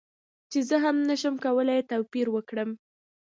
چې زه هم نشم کولی توپیر وکړم